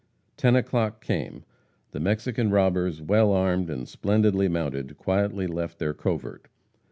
Ten o'clock came. The Mexican robbers, well armed and splendidly mounted, quietly left their covert.